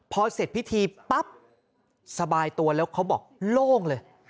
พอเสร็จพิธีปั๊บสบายตัวแล้วเขาบอกโล่งเลย